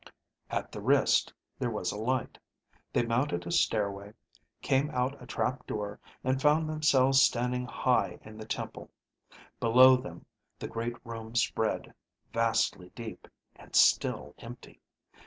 At the wrist, there was a light. They mounted a stairway, came out a trap door, and found themselves standing high in the temple. Below them the great room spread, vastly deep, and still empty.